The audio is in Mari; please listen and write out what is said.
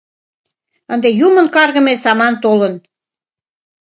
Ынде юмын каргыме саман толын...